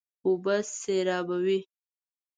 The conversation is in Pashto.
اوبه سېرابوي.